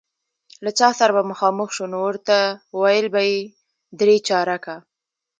له چا سره به مخامخ شو، نو ورته ویل به یې درې چارکه.